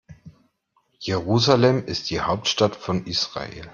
Jerusalem ist die Hauptstadt von Israel.